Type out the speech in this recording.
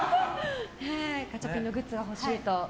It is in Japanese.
ガチャピンのグッズが欲しいと。